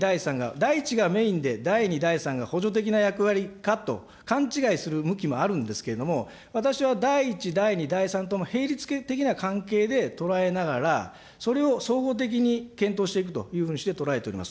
第１がメインで、第２、第３が補助的な役割かと勘違いする向きもあるんですけれども、私は第１、第２、第３とも並立的な関係で捉えながら、それを総合的に検討していくというふうにして捉えております。